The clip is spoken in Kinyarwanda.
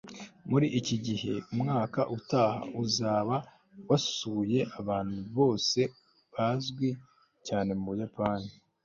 Muri iki gihe umwaka utaha uzaba wasuye ahantu hose hazwi cyane mu Buyapani